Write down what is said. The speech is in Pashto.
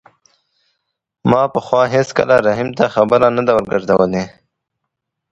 ما پخوا هېڅکله رحیم ته خبره نه ده ورګرځولې.